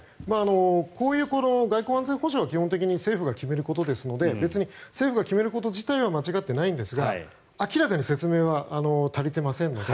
こういう外交・安全保障は基本的に政府が決めることですので別に政府が決めること自体は間違ってないんですが明らかに説明は足りてませんので。